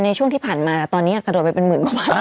ในช่วงที่ผ่านมาตอนนี้อาจจะโดนไปเป็นหมื่น